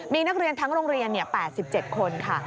มีนักเรียนทั้งโรงเรียน๘๗คนค่ะ